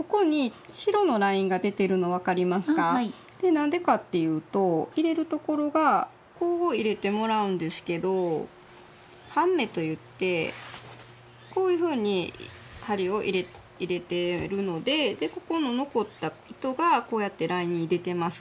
何でかっていうと入れるところがこう入れてもらうんですけど「半目」と言ってこういうふうに針を入れてるのででここの残った糸がこうやってラインに出てます。